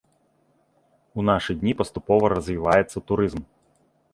У нашы дні паступова развіваецца турызм.